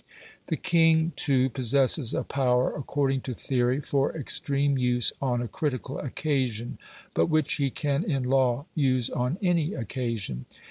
The king, too, possesses a power, according to theory, for extreme use on a critical occasion, but which he can in law use on any occasion.